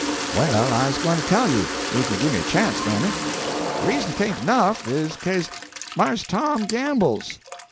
"Well, I's gwine to tell you, if you gimme a chanst, mammy. De reason it ain't enough is 'ca'se Marse Tom gambles."